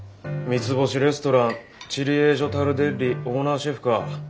三ツ星レストランチリエージョ・タルデッリオーナーシェフか。